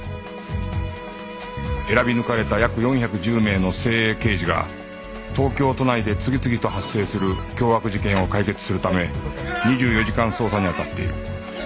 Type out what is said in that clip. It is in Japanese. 選び抜かれた約４１０名の精鋭刑事が東京都内で次々と発生する凶悪事件を解決するため２４時間捜査にあたっている